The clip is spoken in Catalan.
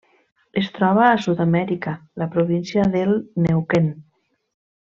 Es troba a Sud-amèrica: la província del Neuquén.